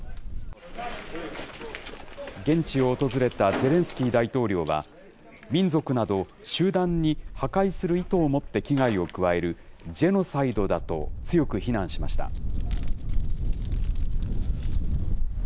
現地を訪れたゼレンスキー大統領は、民族など、集団に破壊する意図をもって危害を加えるジェノサイドだと強く非難しました。